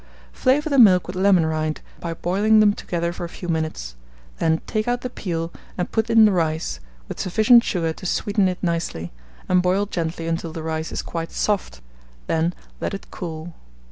Flavour the milk with lemon rind, by boiling them together for a few minutes; then take out the peel, and put in the rice, with sufficient sugar to sweeten it nicely, and boil gently until the rice is quite soft; then let it cool.